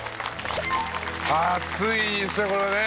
熱いですねこれね。